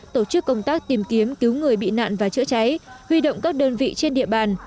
tổ chức công tác tìm kiếm cứu người bị nạn và chữa cháy huy động các đơn vị trên địa bàn